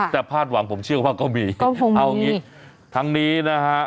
แต่พลาดหวังผมเชื่อว่าก็มีก็คงมีเอาอย่างงี้ทั้งนี้นะฮะ